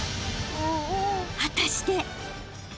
［果たして！？］